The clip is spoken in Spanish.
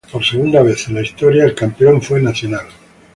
Por segunda vez en la historia, el campeón fue Nacional.